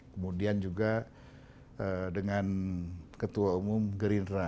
kemudian juga dengan ketua umum gerindra